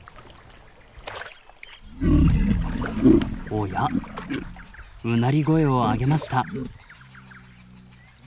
おやうなり声を上げました。